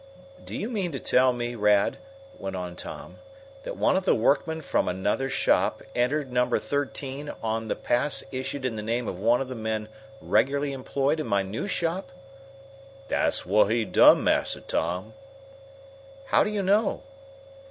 "Do you mean to tell me, Rad," went on Tom, "that one of the workmen from another shop entered Number Thirteen on the pass issued in the name of one of the men regularly employed in my new shop?" "Dat's whut he done, Massa Tom." "How do you know?"